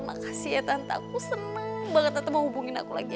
makasih ya tante aku senang banget atau mau hubungin aku lagi